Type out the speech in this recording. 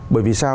bởi vì sao